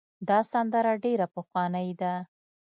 دا سندره ډېره پخوانۍ ده.